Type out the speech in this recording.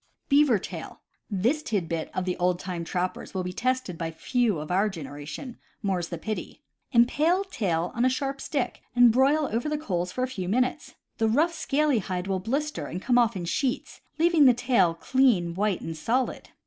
Beaver Tail. — This tid bit of the old time trappers will be tested by few of our generation, more's the pity! Impale tail on a sharp stick and broil over the coals for a few minutes. The rough, scaly hide will blister and come off in sheets, leaving the tail clean, white, and solid.